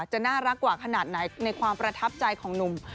จะน่ารักกว่าขนาดไหนในความประทับใจของหนุ่ม